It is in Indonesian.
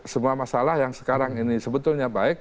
semua masalah yang sekarang ini sebetulnya baik